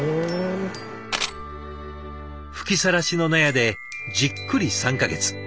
吹きさらしの納屋でじっくり３か月。